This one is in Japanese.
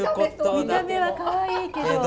見た目はかわいいけど。